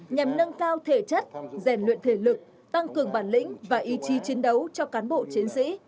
nhằm nâng cao thể chất rèn luyện thể lực tăng cường bản lĩnh và ý chí chiến đấu cho cán bộ chiến sĩ